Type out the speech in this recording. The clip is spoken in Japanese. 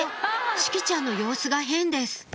志葵ちゃんの様子が変です